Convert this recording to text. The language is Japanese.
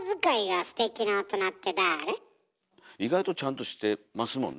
意外とちゃんとしてますもんね。